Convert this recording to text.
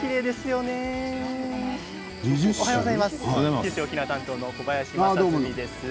九州・沖縄担当の小林将純です。